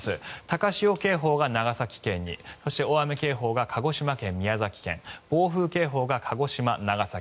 高潮警報が長崎県にそして、大雨警報が鹿児島県、長崎県暴風警報が鹿児島、長崎。